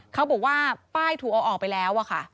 เขาบอกว่าป้ายถูกเอาออกไปแล้วอะค่ะ